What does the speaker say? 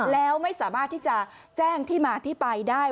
แล้วไม่สามารถที่จะแจ้งที่มาที่ไปได้